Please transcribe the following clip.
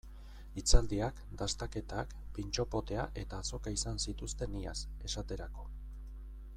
Hitzaldiak, dastaketak, pintxo potea eta azoka izan zituzten iaz, esaterako.